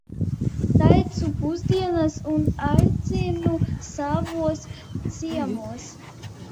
Taisu pusdienas un aicinu savējos ciemos.